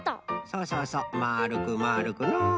そうそうそうまるくまるくの。